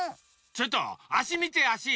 ちょっとあしみてあし。